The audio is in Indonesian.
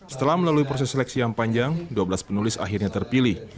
setelah melalui proses seleksi yang panjang dua belas penulis akhirnya terpilih